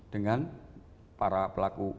dengan para pelaku pmkm itu